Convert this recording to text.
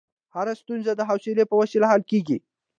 هره ستونزه د حوصلې په وسیله حل کېږي.